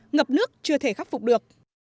ngập nước chưa thể khắc phục được